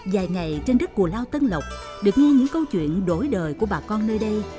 vài ngày trên đất cù lao tân lộc được nghe những câu chuyện đổi đời của bà con nơi đây